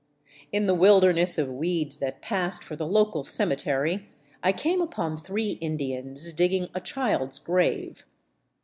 In the wilderness of weeds that passed for the local cemetery I came ipon three Indians digging a child's grave.